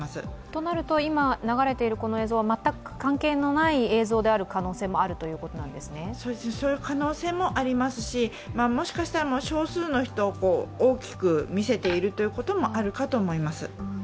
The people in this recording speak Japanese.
となると、今流れている映像は全く関係のない映像である可能性もそういう可能性もありますし、もしかしたら、少数の人を大きく見せているということもあるかと思います。